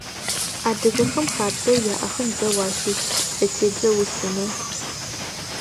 Адыгэхэм хабзэу яӀэхэм зэу ащыщ цӀэтедзэ усыныр.